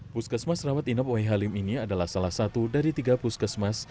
puskesmas rawat inap wai halim ini adalah salah satu dari tiga puskesmas